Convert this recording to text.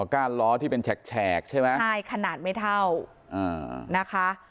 ก้านล้อที่เป็นแฉกแฉกใช่ไหมใช่ขนาดไม่เท่าอ่านะคะ